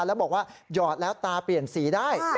แล้วบอกว่าหยอดแล้วตาเปลี่ยนสีได้